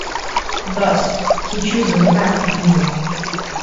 Thus, he chooses the path of evil.